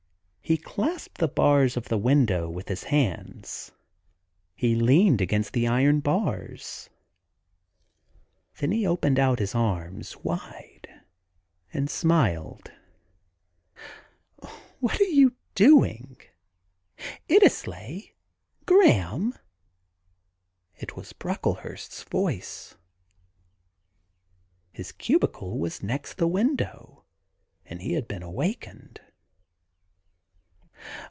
He clasped the bars of the window with his hands ; he leaned against the iron bars ; then he opened out his arms wide and smiled. ...' What are you doing ?... Iddesleigh 1 ... Graham!' It was Brocklehurst's voice. His cubicle was next the window, and he had been awakened.